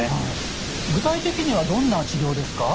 具体的にはどんな治療ですか？